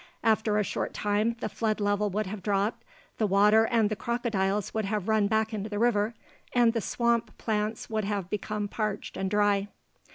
After a short time, the flood level would have dropped, the water and the crocodiles would have run back into the river, and the swamp plants would have become parched and dry.